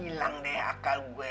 jadi hilang deh akal gue